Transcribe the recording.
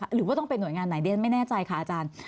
หรือว่าต้องเป็นหน่วยงานไหนดิฉันไม่แน่ใจค่ะอาจารย์